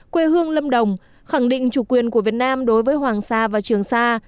quê hương lâm đồng khẳng định chủ quyền của việt nam đối với hoàng sa và trường sa